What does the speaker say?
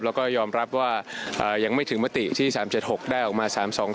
แล้วก็ยอมรับว่ายังไม่ถึงมติที่๓๗๖ได้ออกมา๓๒